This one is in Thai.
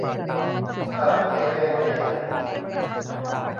สาดเสียเทเสีย